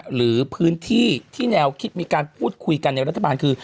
หรือพื้นที่ที่แนวคิดมีการพูดคุยกันในรัฐบาลคือ